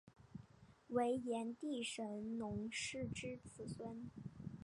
为炎帝神农氏之子孙。